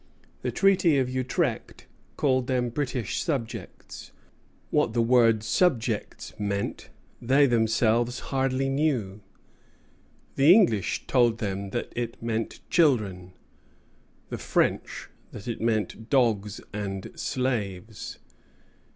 The Treaty of Utrecht called them British subjects. What the word "subjects" meant, they themselves hardly knew. The English told them that it meant children; the French that it meant dogs and slaves.